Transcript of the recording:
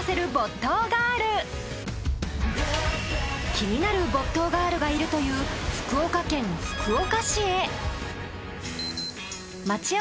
気になる没頭ガールがいるという福岡県福岡市へ。